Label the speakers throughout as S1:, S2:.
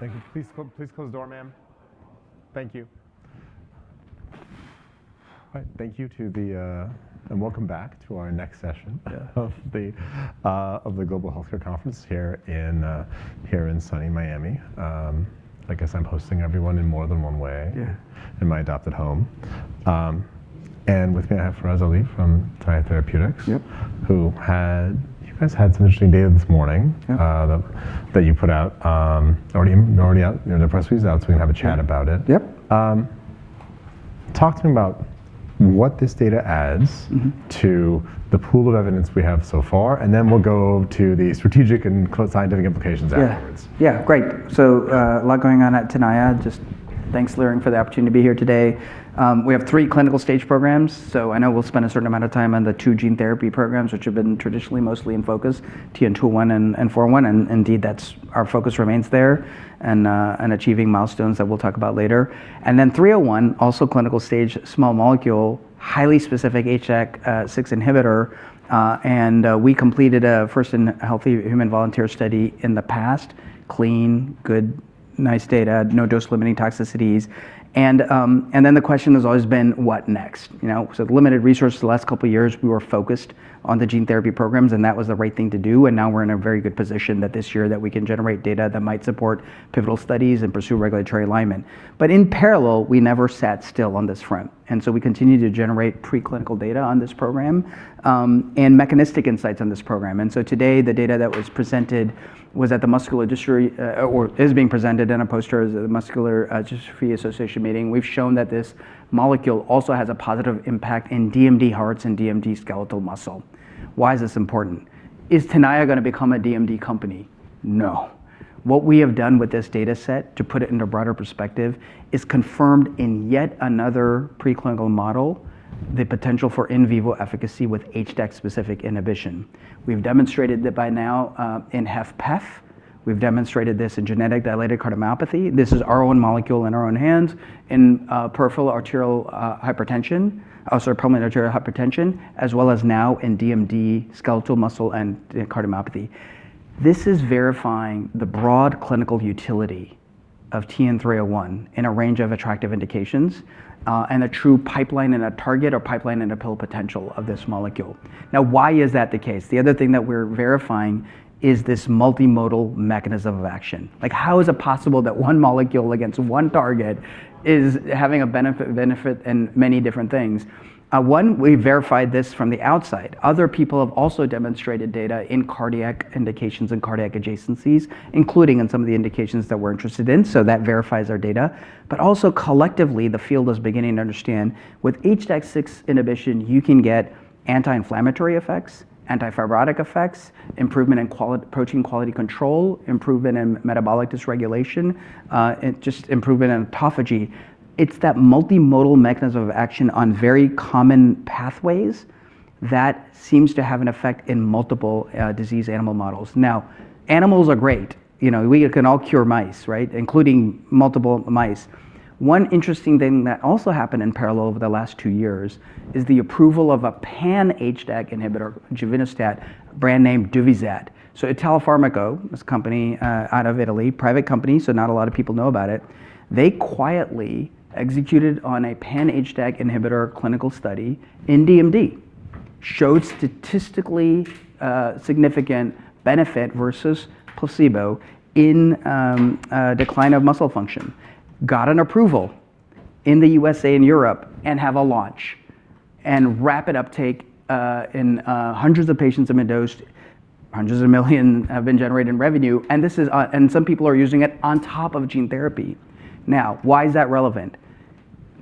S1: Thank you. Please close the door, ma'am. Thank you. All right. Thank you to the and welcome back to our next session of the Global Healthcare Conference here in sunny Miami. I guess I'm hosting everyone in more than one way.
S2: Yeah...
S1: in my adopted home. With me, I have Faraz Ali from Tenaya Therapeutics-
S2: Yep
S1: You guys had some interesting data this morning.
S2: Yeah...
S1: that you put out, already out. You know, the press release is out. We can have a chat about it.
S2: Yep.
S1: Talk to me about what this data adds-.
S2: Mm-hmm...
S1: to the pool of evidence we have so far, and then we'll go to the strategic and scientific implications afterwards.
S2: Yeah. Yeah. Great. A lot going on at Tenaya. Just thanks, Leerink, for the opportunity to be here today. We have three clinical-stage programs, so I know we'll spend a certain amount of time on the two gene therapy programs, which have been traditionally mostly in focus, TN-201 and TN-401, and indeed, our focus remains there and achieving milestones that we'll talk about later. TN-301, also clinical-stage, small molecule, highly specific HDAC6 inhibitor, and we completed a first in healthy human volunteer study in the past. Clean, good, nice data, no dose-limiting toxicities. The question has always been, what next? You know? Limited resources the last couple of years, we were focused on the gene therapy programs, and that was the right thing to do, and now we're in a very good position that this year that we can generate data that might support pivotal studies and pursue regulatory alignment. In parallel, we never sat still on this front, we continue to generate preclinical data on this program, and mechanistic insights on this program. Today, the data that was presented was at the Muscular Dystrophy, or is being presented in a poster as the Muscular Dystrophy Association meeting. We've shown that this molecule also has a positive impact in DMD hearts and DMD skeletal muscle. Why is this important? Is Tana going to become a DMD company? No. What we have done with this dataset, to put it into broader perspective, is confirmed in yet another preclinical model, the potential for in vivo efficacy with HDAC-specific inhibition. We've demonstrated that by now, in HFpEF, we've demonstrated this in genetic dilated cardiomyopathy. This is our own molecule in our own hands in pulmonary arterial hypertension, as well as now in DMD skeletal muscle and cardiomyopathy. This is verifying the broad clinical utility of TN-301 in a range of attractive indications, and a true pipeline and a target or pipeline and a pill potential of this molecule. Now, why is that the case? The other thing that we're verifying is this multimodal mechanism of action. Like, how is it possible that one molecule against one target is having a benefit in many different things? One, we verified this from the outside. Other people have also demonstrated data in cardiac indications and cardiac adjacencies, including in some of the indications that we're interested in, so that verifies our data. Collectively, the field is beginning to understand with HDAC6 inhibition, you can get anti-inflammatory effects, anti-fibrotic effects, improvement in protein quality control, improvement in metabolic dysregulation, and just improvement in autophagy. It's that multimodal mechanism of action on very common pathways that seems to have an effect in multiple disease animal models. Animals are great. You know, we can all cure mice, right? Including multiple mice. One interesting thing that also happened in parallel over the last two years is the approval of a pan-HDAC inhibitor, Givinostat, brand name Duvyzat. Italfarmaco, this company out of Italy, private company, so not a lot of people know about it. They quietly executed on a pan-HDAC inhibitor clinical study in DMD. Showed statistically significant benefit versus placebo in decline of muscle function, got an approval in the USA and Europe and have a launch and rapid uptake in hundreds of patients have been dosed, hundreds of million dollars have been generated in revenue. This is. Some people are using it on top of gene therapy. Why is that relevant?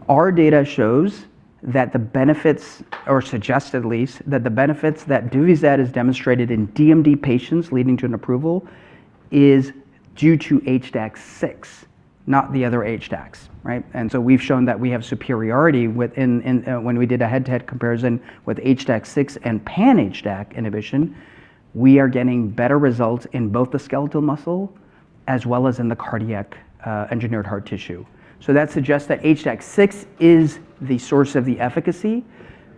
S2: Our data shows that the benefits, or suggests at least, that the benefits that Duvyzat has demonstrated in DMD patients leading to an approval is due to HDAC6, not the other HDACs, right? We've shown that we have superiority in when we did a head-to-head comparison with HDAC6 and pan-HDAC inhibition. We are getting better results in both the skeletal muscle as well as in the cardiac, engineered heart tissue. That suggests that HDAC6 is the source of the efficacy,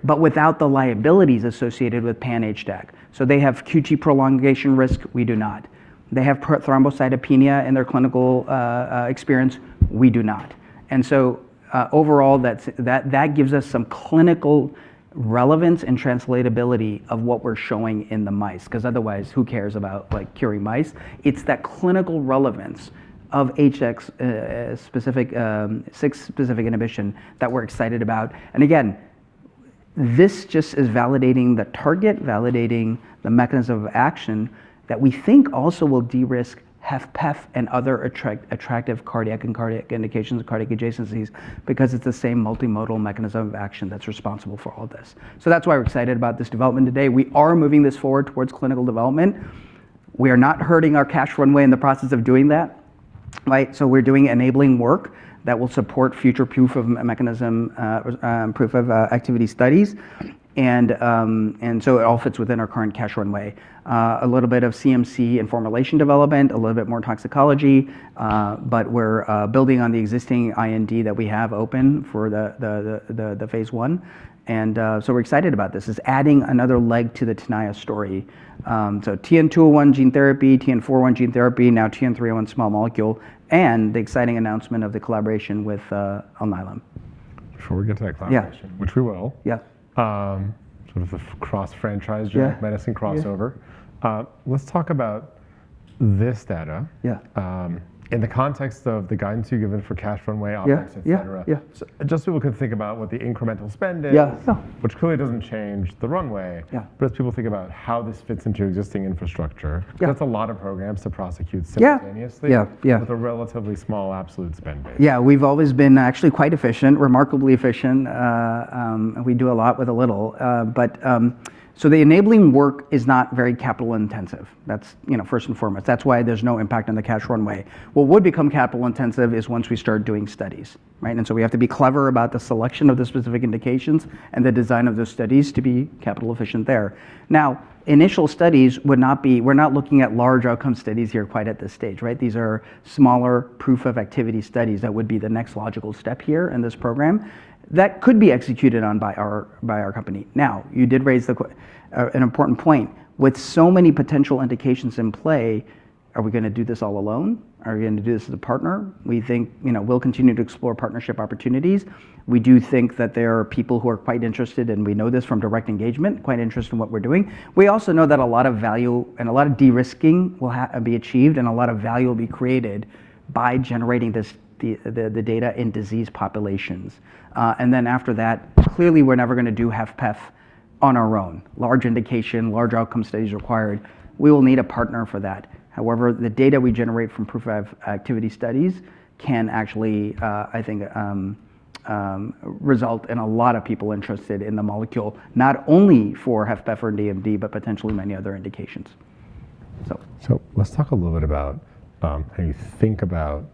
S2: but without the liabilities associated with pan-HDAC. They have QT prolongation risk. We do not. They have thrombocytopenia in their clinical experience. We do not. Overall, that's that gives us some clinical relevance and translatability of what we're showing in the mice, because otherwise, who cares about, like, curing mice? It's that clinical relevance of HDAC6 specific inhibition that we're excited about. Again, this just is validating the target, validating the mechanism of action that we think also will de-risk HFpEF and other attractive cardiac and cardiac indications, cardiac adjacencies, because it's the same multimodal mechanism of action that's responsible for all this. That's why we're excited about this development today. We are moving this forward towards clinical development. We are not hurting our cash runway in the process of doing that, right? We're doing enabling work that will support future proof of mechanism, proof of activity studies. It all fits within our current cash runway. A little bit of CMC and formulation development, a little bit more toxicology, but we're building on the existing IND that we have open for the phase I. We're excited about this. It's adding another leg to the Tenaya story. TN-201 gene therapy, TN-401 gene therapy, now TN-301 small molecule, and the exciting announcement of the collaboration with Alnylam.
S1: Before we get to that clarification-
S2: Yeah
S1: ...which we will.
S2: Yeah.
S1: Sort of a cross franchise-
S2: Yeah...
S1: genetic medicine crossover. Let's talk about this data-
S2: Yeah...
S1: in the context of the guidance you've given for cash runway options.
S2: Yeah...
S1: et cetera.
S2: Yeah. Yeah.
S1: Just so people can think about what the incremental spend is.
S2: Yeah. Yeah.
S1: which clearly doesn't change the runway.
S2: Yeah.
S1: As people think about how this fits into your existing infrastructure.
S2: Yeah
S1: That's a lot of programs to prosecute simultaneously.
S2: Yeah. Yeah. Yeah.
S1: with a relatively small absolute spend base.
S2: Yeah. We've always been actually quite efficient, remarkably efficient. We do a lot with a little. The enabling work is not very capital intensive. That's, you know, first and foremost. That's why there's no impact on the cash runway. What would become capital intensive is once we start doing studies, right? We have to be clever about the selection of the specific indications and the design of those studies to be capital efficient there. Now, initial studies would not be. We're not looking at large outcome studies here quite at this stage, right? These are smaller proof of activity studies that would be the next logical step here in this program. That could be executed on by our company. Now, you did raise an important point. With so many potential indications in play, are we gonna do this all alone? Are we gonna do this as a partner? We think, you know, we'll continue to explore partnership opportunities. We do think that there are people who are quite interested, and we know this from direct engagement, quite interested in what we're doing. We also know that a lot of value and a lot of de-risking will be achieved and a lot of value will be created by generating this, the data in disease populations. After that, clearly we're never gonna do HFpEF on our own. Large indication, large outcome studies required. We will need a partner for that. However, the data we generate from proof of activity studies can actually, I think, result in a lot of people interested in the molecule, not only for HFpEF or DMD, but potentially many other indications.
S1: Let's talk a little bit about how you think about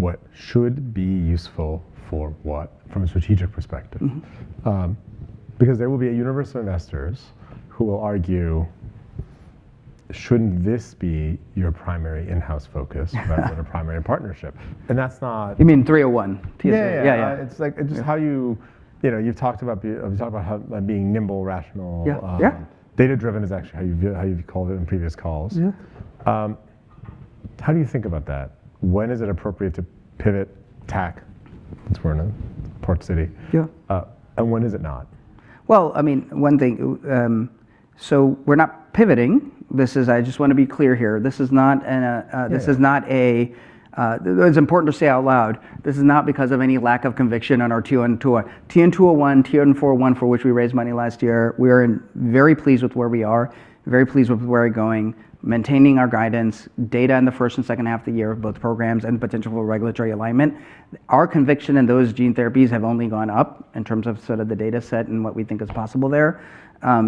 S1: what should be useful for what from a strategic perspective.
S2: Mm-hmm.
S1: Because there will be a universe of investors who will argue, shouldn't this be your primary in-house focus-... rather than a primary partnership? That's not.
S2: You mean 301?
S1: Yeah.
S2: Yeah, yeah.
S1: It's like, it's just how you know, you've talked about being nimble, rational-
S2: Yeah.
S1: data-driven is actually how you've called it in previous calls.
S2: Yeah.
S1: How do you think about that? When is it appropriate to pivot, tack, since we're in a port city?
S2: Yeah
S1: When is it not?
S2: Well, I mean, one thing, we're not pivoting. This is, I just wanna be clear here. This is not an.
S1: Yeah...
S2: this is not a. It's important to say out loud, this is not because of any lack of conviction on our two and two, TN-201, TN-401, for which we raised money last year. Very pleased with where we are, very pleased with where we're going, maintaining our guidance, data in the first and second half of the year of both programs and potential regulatory alignment. Our conviction in those gene therapies have only gone up in terms of sort of the data set and what we think is possible there.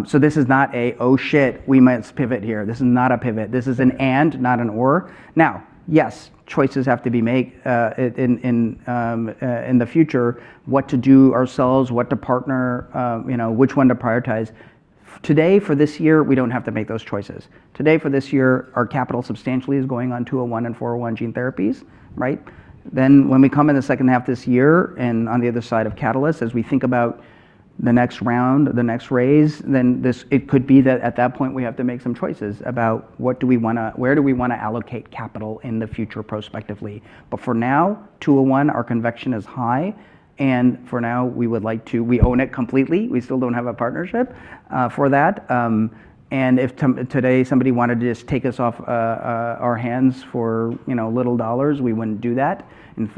S2: This is not a, "Oh, sh, we might pivot here." This is not a pivot. This is an and, not an or. Yes, choices have to be made, in the future, what to do ourselves, what to partner, you know, which one to prioritize. Today, for this year, we don't have to make those choices. Today, for this year, our capital substantially is going on 201 and 401 gene therapies, right? When we come in the second half this year and on the other side of Catalyst, as we think about the next round or the next raise, it could be that at that point we have to make some choices about where do we wanna allocate capital in the future prospectively. For now, 201, our conviction is high, and for now, we would like to. We own it completely. We still don't have a partnership, for that. If today somebody wanted to just take this off our hands for, you know, little dollars, we wouldn't do that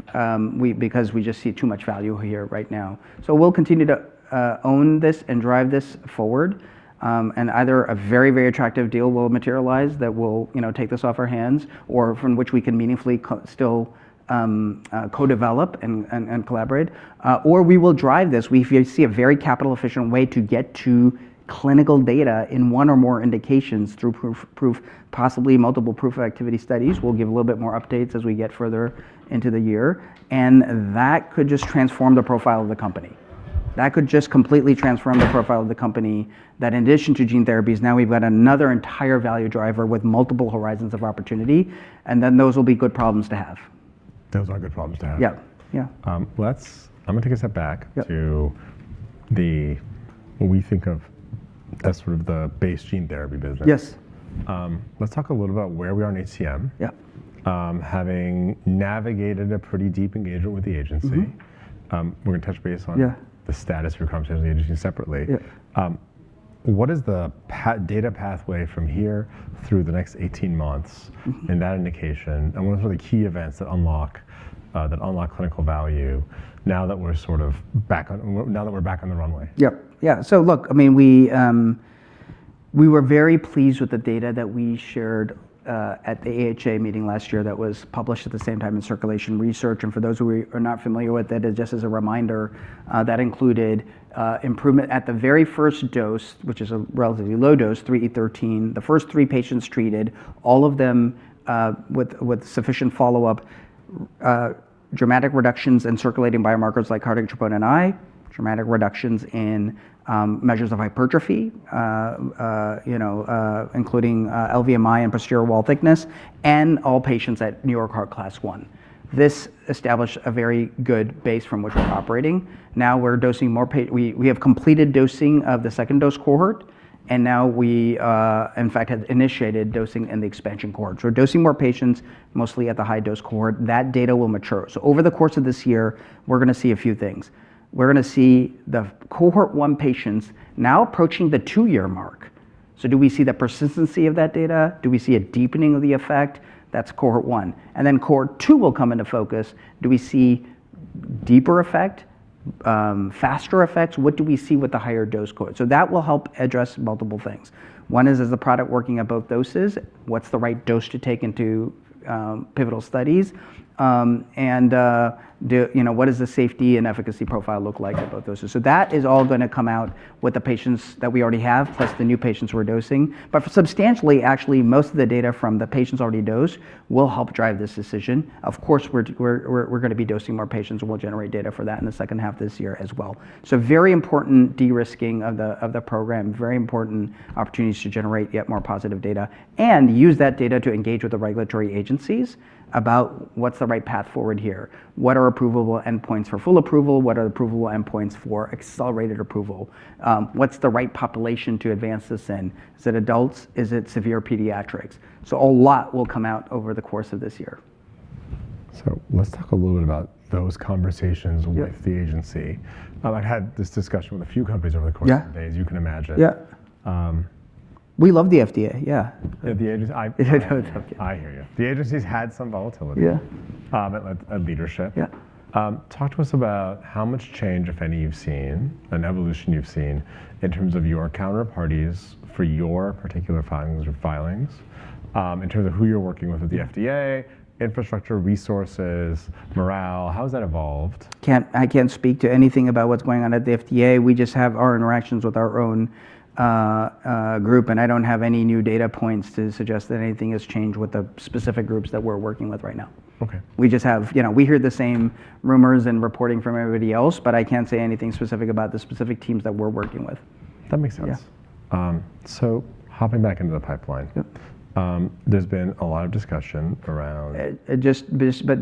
S2: for, we, because we just see too much value here right now. We'll continue to own this and drive this forward, and either a very, very attractive deal will materialize that will, you know, take this off our hands or from which we can meaningfully still co-develop and collaborate, or we will drive this. We see a very capital efficient way to get to clinical data in one or more indications through proof, possibly multiple proof of activity studies. We'll give a little bit more updates as we get further into the year and that could just transform the profile of the company. That could just completely transform the profile of the company that in addition to gene therapies, now we've got another entire value driver with multiple horizons of opportunity and then those will be good problems to have.
S1: Those are good problems to have.
S2: Yeah. Yeah.
S1: I'm gonna take a step back.
S2: Yeah...
S1: to the, what we think of as sort of the base gene therapy business.
S2: Yes.
S1: Let's talk a little about where we are in ACM.
S2: Yeah...
S1: having navigated a pretty deep engagement with the agency.
S2: Mm-hmm.
S1: We're gonna touch base.
S2: Yeah...
S1: the status for content of the agency separately.
S2: Yeah.
S1: What is the data pathway from here through the next 18 months?
S2: Mm-hmm...
S1: in that indication? What are sort of the key events that unlock clinical value now that we're back on the runway?
S2: Yep. Yeah. Look, I mean, we were very pleased with the data that we shared at the AHA meeting last year that was published at the same time in Circulation Research. For those of you who are not familiar with it, just as a reminder, that included improvement at the very first dose, which is a relatively low dose, 3e13. The first three patients treated, all of them with sufficient follow-up, dramatic reductions in circulating biomarkers like cardiac troponin I, dramatic reductions in measures of hypertrophy, you know, including LVMI and posterior wall thickness, and all patients at New York Heart class I. This established a very good base from which we're operating. Now we're dosing more We have completed dosing of the second dose cohort, and now we, in fact, have initiated dosing in the expansion cohort. We're dosing more patients, mostly at the high dose cohort. That data will mature. Over the course of this year, we're gonna see a few things. We're gonna see the cohort one patients now approaching the two-year mark. Do we see the persistency of that data? Do we see a deepening of the effect? That's cohort one. Then cohort two will come into focus. Do we see deeper effect, faster effects? What do we see with the higher dose cohort? That will help address multiple things. One is the product working at both doses? What's the right dose to take into pivotal studies, and do... You know, what does the safety and efficacy profile look like at both doses? That is all gonna come out with the patients that we already have, plus the new patients we're dosing. For substantially, actually, most of the data from the patients already dosed will help drive this decision. Of course, we're gonna be dosing more patients, and we'll generate data for that in the second half of this year as well. Very important de-risking of the program. Very important opportunities to generate yet more positive data and use that data to engage with the regulatory agencies about what's the right path forward here. What are approvable endpoints for full approval? What are approvable endpoints for accelerated approval? What's the right population to advance this in? Is it adults? Is it severe pediatrics? A lot will come out over the course of this year.
S1: Let's talk a little bit about those conversations.
S2: Yeah...
S1: with the agency. I had this discussion with a few companies over the course-
S2: Yeah
S1: Of the days, you can imagine.
S2: Yeah.
S1: Um-
S2: We love the FDA, yeah.
S1: The agency.
S2: No, I'm joking.
S1: I hear you. The agency's had some volatility-
S2: Yeah...
S1: at leadership.
S2: Yeah.
S1: Talk to us about how much change, if any, you've seen, an evolution you've seen in terms of your counterparties for your particular filings or filings, in terms of who you're working with at the FDA, infrastructure, resources, morale. How has that evolved?
S2: I can't speak to anything about what's going on at the FDA. We just have our interactions with our own group, and I don't have any new data points to suggest that anything has changed with the specific groups that we're working with right now.
S1: Okay.
S2: You know, we hear the same rumors and reporting from everybody else, but I can't say anything specific about the specific teams that we're working with.
S1: That makes sense.
S2: Yeah.
S1: Hopping back into the pipeline.
S2: Yep.
S1: There's been a lot of discussion.
S2: It just.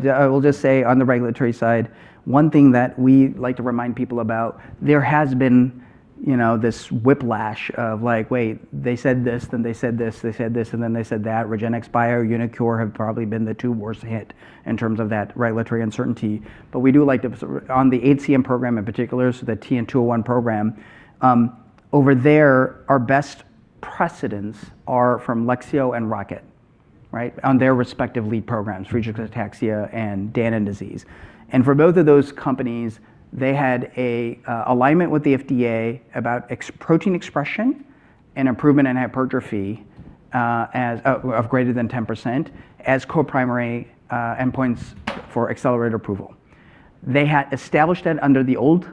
S2: Yeah, I will just say on the regulatory side, one thing that we like to remind people about, there has been, you know, this whiplash of like, wait, they said this, then they said this, they said this, and then they said that. REGENXBIO, uniQure have probably been the two worst hit in terms of that regulatory uncertainty. We do like to. On the HCM program in particular, so the TN-201 program, over there, our best precedents are from Lexeo and Rocket, right, on their respective lead programs, Friedreich's ataxia and Danon disease. For both of those companies, they had a alignment with the FDA about protein expression and improvement in hypertrophy as of greater than 10% as co-primary endpoints for accelerated approval. They had established it under the old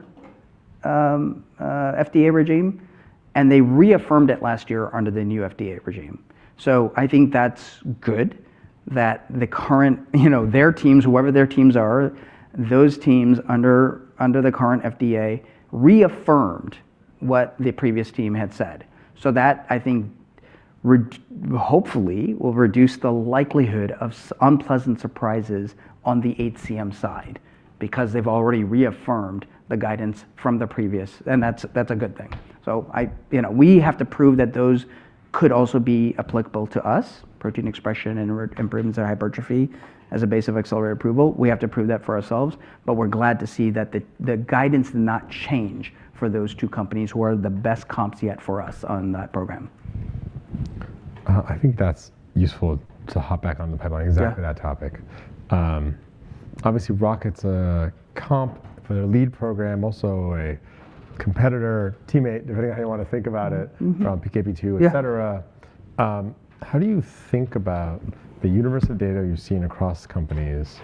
S2: FDA regime, and they reaffirmed it last year under the new FDA regime. I think that's good that the current, you know, their teams, whoever their teams are, those teams under the current FDA reaffirmed what the previous team had said. That, I think, hopefully will reduce the likelihood of unpleasant surprises on the HCM side because they've already reaffirmed the guidance from the previous, and that's a good thing. I. You know, we have to prove that those could also be applicable to us, protein expression and improvements in hypertrophy as a base of accelerated approval. We have to prove that for ourselves, but we're glad to see that the guidance did not change for those two companies who are the best comps yet for us on that program.
S1: I think that's useful to hop back on the pipeline.
S2: Yeah...
S1: exactly that topic. obviously Rocket's a comp for their lead program, also a competitor, teammate, depending on how you wanna think about it.
S2: Mm-hmm...
S1: PKP2-
S2: Yeah...
S1: et cetera. How do you think about the universe of data you're seeing across companies,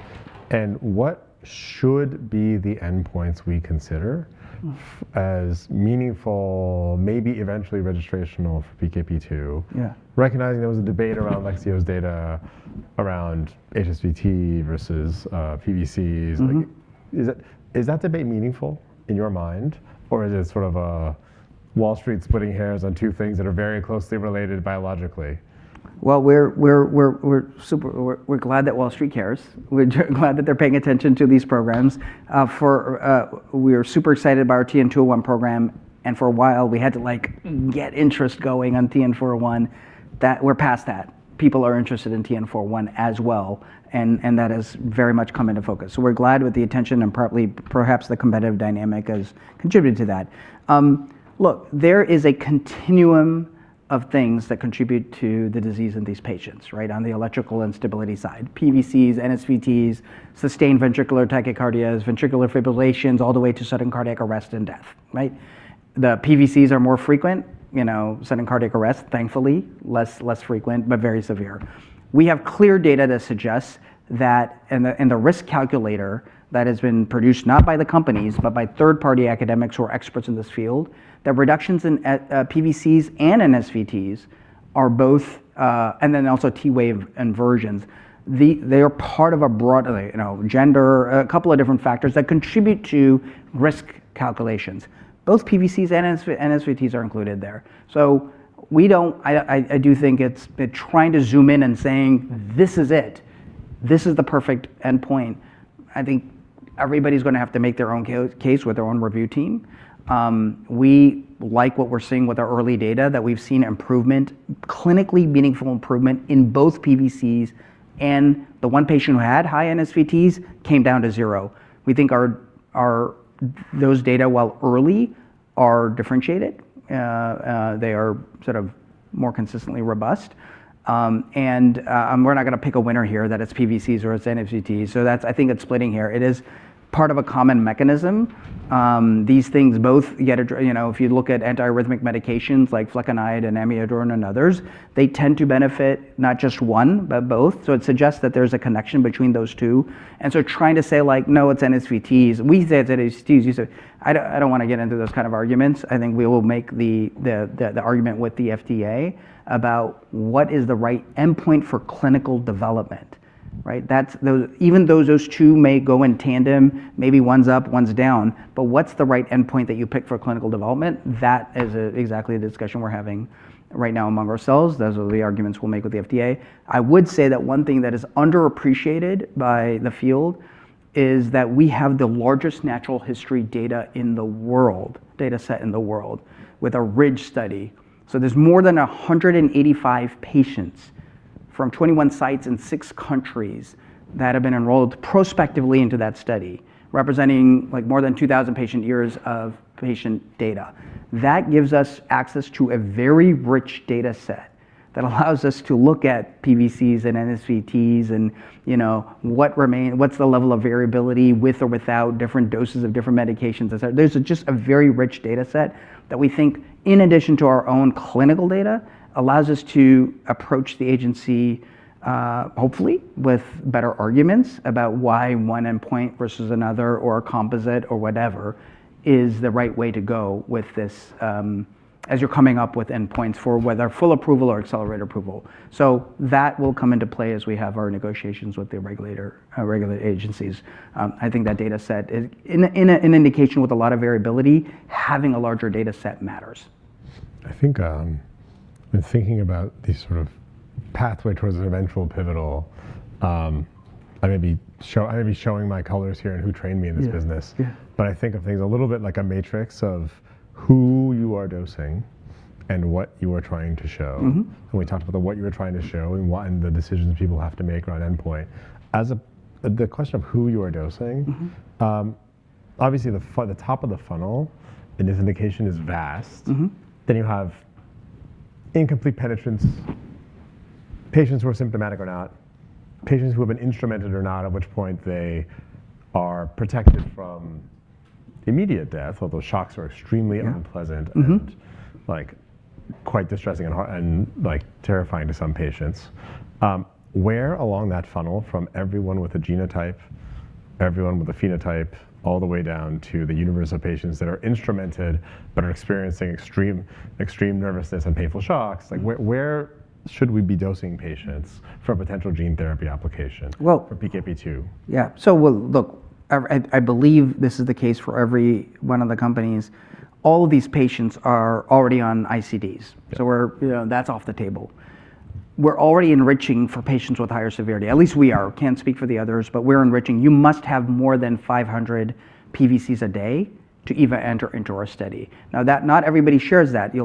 S1: and what should be the endpoints we consider as meaningful, maybe eventually registrational for PKP2?
S2: Yeah.
S1: Recognizing there was a debate around Lexeo's data, around NSVT versus PVCs.
S2: Mm-hmm.
S1: Like, is it, is that debate meaningful in your mind, or is it sort of a Wall Street's putting hairs on two things that are very closely related biologically?
S2: Well, we're glad that Wall Street cares. We're glad that they're paying attention to these programs. For, we're super excited about our TN-201 program, and for a while, we had to, like, get interest going on TN-401. That, we're past that. People are interested in TN-401 as well, and that has very much come into focus. We're glad with the attention and partly perhaps the competitive dynamic has contributed to that. Look, there is a continuum of things that contribute to the disease in these patients, right, on the electrical instability side. PVCs, NSVTs, sustained ventricular tachycardias, ventricular fibrillations, all the way to sudden cardiac arrest and death, right? The PVCs are more frequent. You know, sudden cardiac arrest, thankfully, less frequent, but very severe. We have clear data that suggests that, and the, and the risk calculator that has been produced not by the companies, but by third-party academics who are experts in this field, that reductions in PVCs and NSVT's are both and then also T-wave inversions. They are part of a broader, you know, gender, a couple of different factors that contribute to risk calculations. Both PVCs and NSVT's are included there. Trying to zoom in and saying, "This is it. This is the perfect endpoint," I think everybody's gonna have to make their own case with their own review team. We like what we're seeing with our early data, that we've seen Clinically meaningful improvement in both PVCs and the one patient who had high NSVT came down to 0. We think our those data, while early, are differentiated. They are sort of more consistently robust. We're not gonna pick a winner here that it's PVCs or it's NSVT. I think it's splitting here. It is part of a common mechanism. These things both get You know, if you look at anti-arrhythmic medications like Flecainide and Amiodarone and others, they tend to benefit not just one, but both. It suggests that there's a connection between those two. Trying to say like, "No, it's NSVTs. We said that it's VTs," you say... I don't wanna get into those kind of arguments. I think we will make the argument with the FDA about what is the right endpoint for clinical development, right? That's even though those two may go in tandem, maybe one's up, one's down, but what's the right endpoint that you pick for clinical development? That is exactly the discussion we're having right now among ourselves. Those are the arguments we'll make with the FDA. I would say that one thing that is underappreciated by the field is that we have the largest natural history data set in the world, with a RIDGE study. There's more than 185 patients from 21 sites in six countries that have been enrolled prospectively into that study, representing like more than 2,000 patient years of patient data. That gives us access to a very rich data set that allows us to look at PVCs and NSVT's and, you know, what's the level of variability with or without different doses of different medications etc. There's just a very rich data set that we think, in addition to our own clinical data, allows us to approach the agency, hopefully with better arguments about why one endpoint versus another or a composite or whatever is the right way to go with this, as you're coming up with endpoints for whether full approval or accelerated approval. That will come into play as we have our negotiations with the regulator, regulatory agencies. I think that data set is In an indication with a lot of variability, having a larger data set matters.
S1: I think, in thinking about the sort of pathway towards an eventual pivotal, I may be showing my colors here in who trained me in this business.
S2: Yeah. Yeah.
S1: I think of things a little bit like a matrix of who you are dosing and what you are trying to show.
S2: Mm-hmm.
S1: We talked about the what you are trying to show and the decisions people have to make around endpoint. The question of who you are dosing...
S2: Mm-hmm
S1: obviously the top of the funnel in this indication is vast.
S2: Mm-hmm.
S1: You have incomplete penetrance, patients who are symptomatic or not, patients who have been instrumented or not, at which point they are protected from immediate death, although shocks are extremely-
S2: Yeah...
S1: unpleasant-
S2: Mm-hmm...
S1: and like quite distressing and like terrifying to some patients. Where along that funnel from everyone with a genotype, everyone with a phenotype, all the way down to the universe of patients that are instrumented but are experiencing extreme nervousness and painful shocks, like where should we be dosing patients for a potential gene therapy application?
S2: Well-
S1: for PKP2?
S2: Yeah. Well, look, I believe this is the case for every one of the companies. All of these patients are already on ICD.
S1: Yeah.
S2: We're, you know, that's off the table. We're already enriching for patients with higher severity. At least we are. Can't speak for the others, but we're enriching. You must have more than 500 PVCs a day to even enter into our study. Now, not everybody shares that.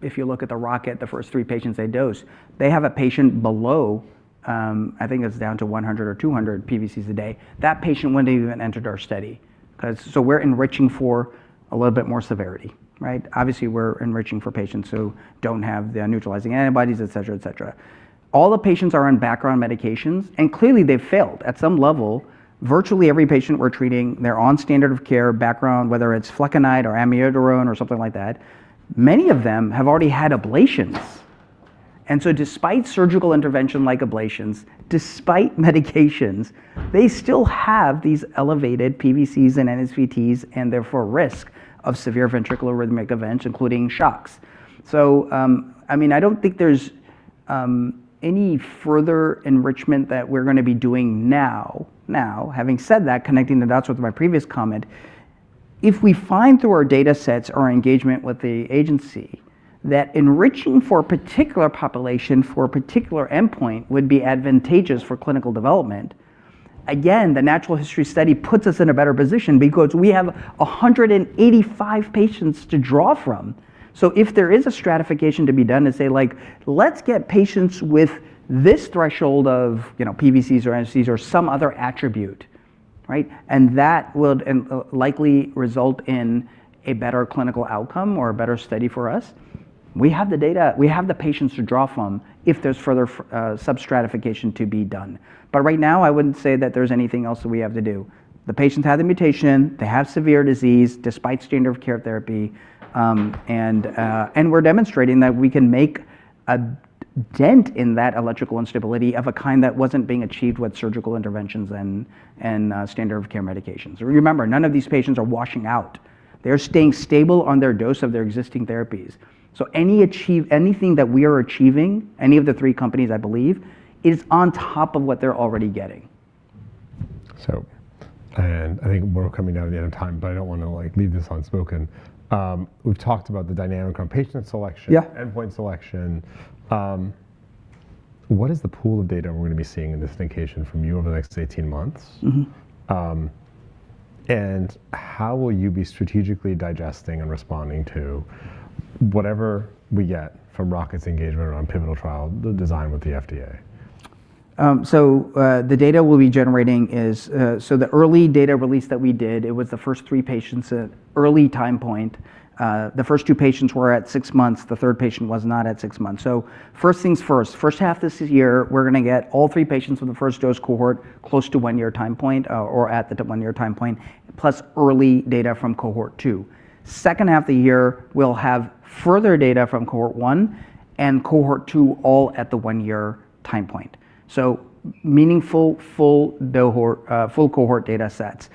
S2: If you look at the Rocket, the first three patients they dose, they have a patient below, I think it's down to 100 or 200 PVCs a day. That patient wouldn't have even entered our study 'cause... We're enriching for a little bit more severity, right? Obviously, we're enriching for patients who don't have the neutralizing antibodies, et cetera, et cetera. All the patients are on background medications, and clearly they've failed. At some level, virtually every patient we're treating, they're on standard of care background, whether it's Flecainide or Amiodarone or something like that, many of them have already had ablations. Despite surgical intervention like ablations, despite medications, they still have these elevated PVCs and NSVT and therefore risk of severe ventricular arrhythmic events, including shocks. I mean, I don't think there's any further enrichment that we're gonna be doing now. Having said that, connecting the dots with my previous comment, if we find through our data sets or engagement with the agency that enriching for a particular population for a particular endpoint would be advantageous for clinical development, again, the natural history study puts us in a better position because we have 185 patients to draw from. If there is a stratification to be done and say like, "Let's get patients with this threshold of, you know, PVCs or NSVTs or some other attribute?" That would likely result in a better clinical outcome or a better study for us, we have the data, we have the patients to draw from if there's further sub-stratification to be done. Right now, I wouldn't say that there's anything else that we have to do. The patients have the mutation, they have severe disease despite standard of care therapy, and we're demonstrating that we can make a dent in that electrical instability of a kind that wasn't being achieved with surgical interventions and standard of care medications. Remember, none of these patients are washing out. They're staying stable on their dose of their existing therapies. Anything that we are achieving, any of the three companies, I believe, is on top of what they're already getting.
S1: I think we're coming down to the end of time, but I don't wanna like leave this unspoken. We've talked about the dynamic on patient selection-
S2: Yeah...
S1: endpoint selection. What is the pool of data we're gonna be seeing in this indication from you over the next 18 months?
S2: Mm-hmm.
S1: How will you be strategically digesting and responding to whatever we get from Rocket's engagement around pivotal trial, the design with the FDA?
S2: The data we'll be generating is... The early data release that we did, it was the first three patients at early time point. The first two patients were at six months. The third patient was not at six months. First things first half this year we're gonna get all three patients from the first dose cohort close to one year time point or at the one year time point, plus early data from cohort 2. Second half of the year, we'll have further data from cohort 1 and cohort 2 all at the one year time point. Meaningful full cohort data sets.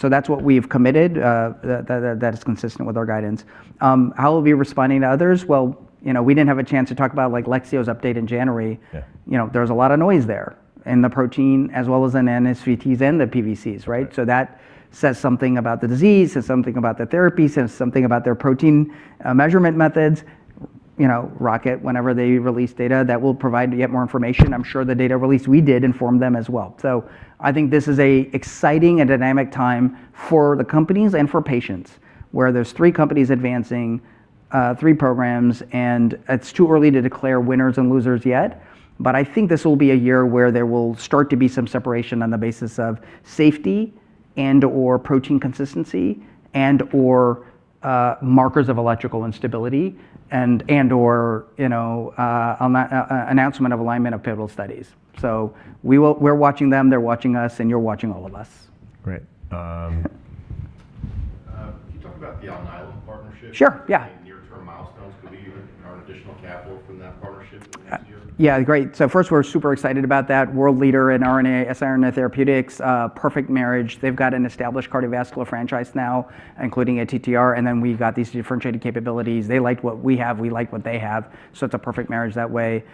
S2: That's what we've committed, that is consistent with our guidance. How we'll be responding to others? You know, we didn't have a chance to talk about like Lexeo's update in January.
S1: Yeah.
S2: You know, there's a lot of noise there in the protein as well as in NSVT and the PVCs, right?
S1: Right.
S2: That says something about the disease, says something about the therapy, says something about their protein measurement methods. You know, Rocket, whenever they release data that will provide yet more information, I'm sure the data release we did informed them as well. I think this is a exciting and dynamic time for the companies and for patients, where there's three companies advancing three programs, and it's too early to declare winners and losers yet, but I think this will be a year where there will start to be some separation on the basis of safety and/or protein consistency and/or markers of electrical instability and/or, you know, an announcement of alignment of pivotal studies. We're watching them, they're watching us, and you're watching all of us.
S1: Great. Can you talk about the Alnylam partnership?
S2: Sure, yeah.
S1: Any near-term milestones could be earned, earn additional capital from that partnership this year?
S2: Yeah. Great. So first we're super excited about that, world leader in RNA, siRNA therapeutics, a perfect marriage. They've got an established cardiovascular franchise now, including a TTR, and then we've got these differentiated capabilities. They like what we have, we like what they have, so it's a perfect marriage that way.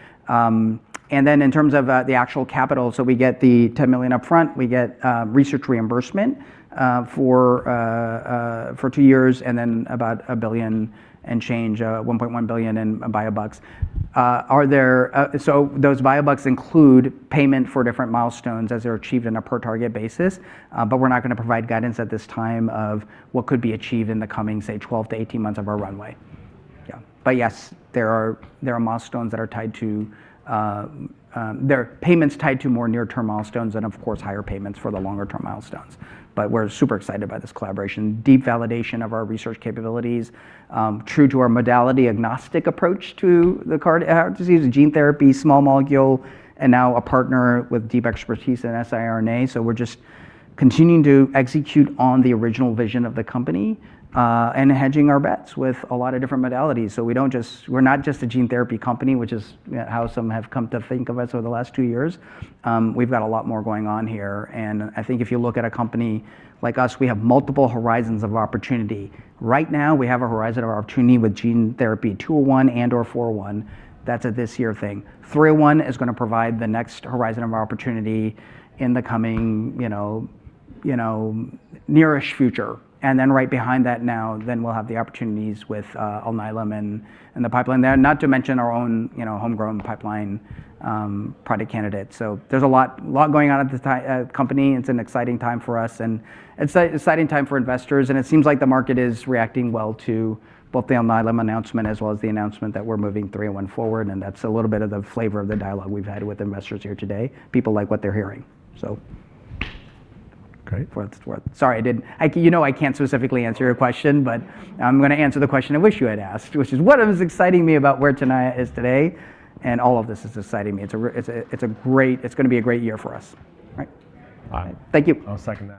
S2: And then in terms of the actual capital, so we get the $10 million upfront, we get research reimbursement for two years, and then about a billion and change, $1.1 billion in biobucks. So those biobucks include payment for different milestones as they're achieved on a per target basis, but we're not gonna provide guidance at this time of what could be achieved in the coming, say, 12-18 months of our runway. Yeah. Yes, there are milestones that are tied to. There are payments tied to more near-term milestones and of course higher payments for the longer term milestones. We're super excited about this collaboration. Deep validation of our research capabilities, true to our modality agnostic approach to the card disease and gene therapy, small molecule, and now a partner with deep expertise in siRNA. We're just continuing to execute on the original vision of the company and hedging our bets with a lot of different modalities. We're not just a gene therapy company, which is how some have come to think of us over the last two years. We've got a lot more going on here, and I think if you look at a company like us, we have multiple horizons of opportunity. Right now we have a horizon of opportunity with gene therapy 2 or 1 and/or 4 or 1. That's a this year thing. 3 or 1 is gonna provide the next horizon of our opportunity in the coming, you know, near-ish future. Right behind that now then we'll have the opportunities with Alnylam and the pipeline there, not to mention our own, you know, homegrown pipeline product candidates. There's a lot going on at this company. It's an exciting time for us and it's an exciting time for investors, and it seems like the market is reacting well to both the Alnylam announcement as well as the announcement that we're moving Three or one forward, and that's a little bit of the flavor of the dialogue we've had with investors here today. People like what they're hearing.
S1: Great.
S2: Fourth quarter. Sorry, I didn't... you know I can't specifically answer your question, but I'm gonna answer the question I wish you had asked, which is what is exciting me about where Tenaya is today, and all of this is exciting me. It's a great... It's gonna be a great year for us. Right.
S1: All right.
S2: Thank you.
S1: I'll second that.